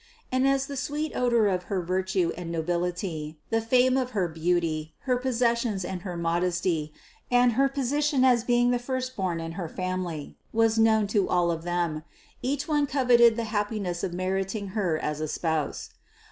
And as the sweet odor of her virtue and no 576 THE CONCEPTION 577 bility, the fame of her beauty, her possessions and her modesty, and her position as being the firstborn in her family was known to all of them, each one coveted the happiness of meriting Her as a spouse.